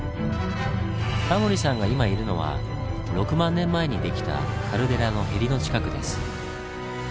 タモリさんが今いるのは６万年前にできたカルデラのヘリの近くです。